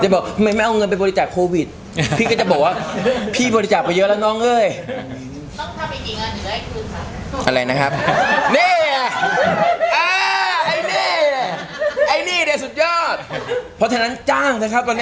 แต่หน้าใหม่ชีวิตเปลี่ยน